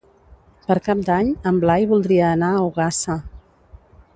Per Cap d'Any en Blai voldria anar a Ogassa.